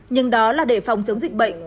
nhưng đó là để phòng chống dịch bệnh